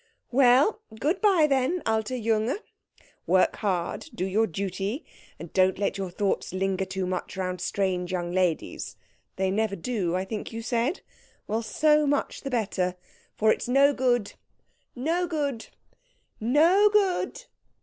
"Well, good bye then, alter Junge. Work hard, do your duty, and don't let your thoughts linger too much round strange young ladies. They never do, I think you said? Well, so much the better, for it's no good, no good, no good!"